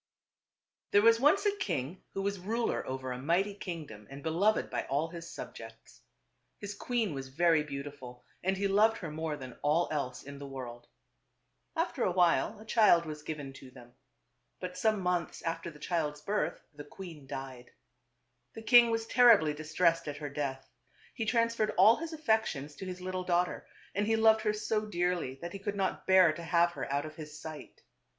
There was once a king who was ruler over a mighty kingdom and beloved by all his subjects. His queen was very beautiful and he loved her more than all else in the world. After a while a child was given to them. But some months after the child's birth the queen died. The king was terribly distressed at her death. He trans ferred all his affections to his little daughter, and he loved her so dearly that he could not bear to have her out of his sight.